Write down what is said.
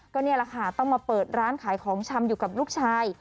ก็นี่แหละค่ะต้องมาเปิดร้านขายของชำอยู่กับลูกชาย